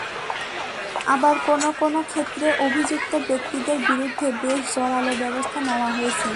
আবার কোনো কোনো ক্ষেত্রে অভিযুক্ত ব্যক্তিদের বিরুদ্ধে বেশ জোরালো ব্যবস্থা নেওয়া হয়েছে।